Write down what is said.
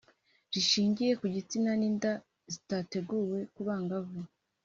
rishingiye ku gitsina n’inda zidateguwe ku bangavu.’